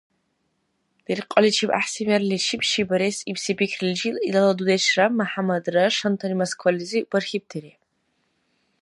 Диркьаличиб гӀяхӀси мерличиб ши барес ибси пикриличил илала дудешра МяхӀяммадра шантани Москвализи бархьибтири.